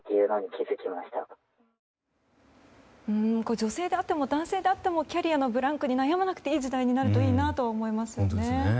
女性であっても男性であってもキャリアのブランクに悩まなくていい時代になればいいなと思いますね。